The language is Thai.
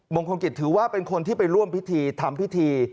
มงคลกิจถือว่าเป็นคนที่ไปร่วมพิธีทำพิธี